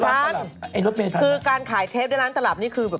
ทันคือการขายเทปที่ร้านตลับนี้คือ